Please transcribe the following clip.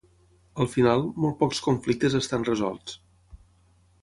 Al final, molt pocs conflictes estan resolts.